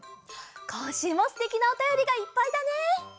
こんしゅうもすてきなおたよりがいっぱいだね。